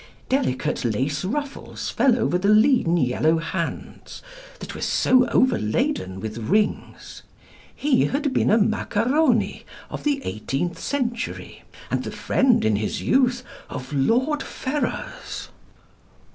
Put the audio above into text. Delicate lace ruffles fell over the lean yellow hands that were so overladen with rings. He had been a macaroni of the eighteenth century, and the friend, in his youth, of Lord Ferrars.